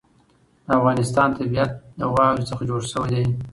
د افغانستان طبیعت له واورو څخه جوړ شوی دی.